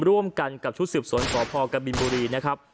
ร่วมกันกับชุดเสืบสวนศพกบินบุรี